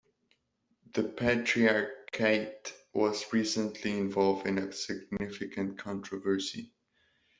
The patriarchate was recently involved in a significant controversy.